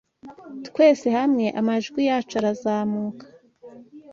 Twese hamwe amajwi yacu arazamuka,